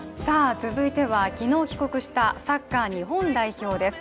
続いては、昨日帰国したサッカー日本代表です。